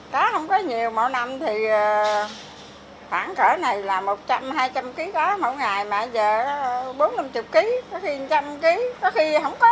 cá không có nhiều mỗi năm thì khoảng cỡ này là một trăm linh hai trăm linh kg cá mỗi ngày mà giờ bốn mươi năm mươi kg có khi một trăm linh kg có khi không có nữa